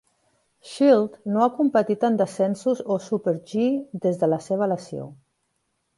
Schild no ha competit en descensos o super-G des de la seva lesió.